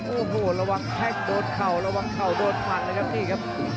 โอ้โหระวังแค่งโดดเข่าระวังเข่าโดดพันนะครับ